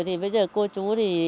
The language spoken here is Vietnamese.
thì bây giờ cô chú thì